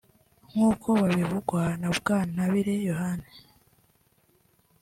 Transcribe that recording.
nk’uko bivugwa na Bwantabire Yohani